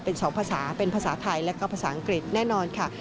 เป็นสองภาษาเป็นภาษาไทยและก็ภาษาอังกฤษแน่นอนค่ะ